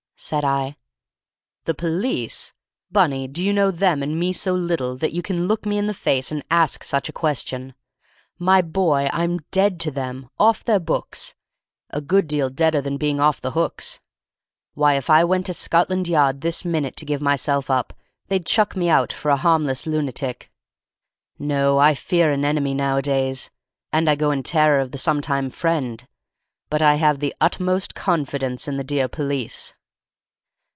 said I. "The police! Bunny, do you know them and me so little that you can look me in the face and ask such a question? My boy, I'm dead to them—off their books—a good deal deader than being off the hooks! Why, if I went to Scotland Yard this minute, to give myself up, they'd chuck me out for a harmless lunatic. No, I fear an enemy nowadays, and I go in terror of the sometime friend, but I have the utmost confidence in the dear police."